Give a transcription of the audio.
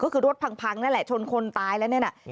ก็คือรถพังนั่นแหละชนคนตายแล้วนั่นน่ะ